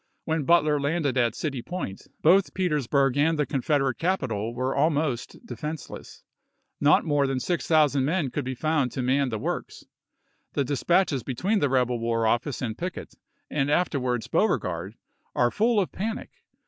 When Butler landed May, 1864. at City Point both Petersbui'g and the Confed erate capital were almost defenseless ; not more than six thousand men could be found to man the works. The dispatches between the rebel war office and Pickett, and afterwards Beauregard, are full of panic.